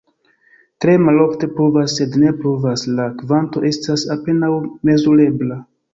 Tre malofte pluvas, sed se pluvas, la kvanto estas apenaŭ mezurebla.